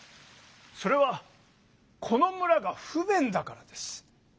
それはこの村が不便だからです！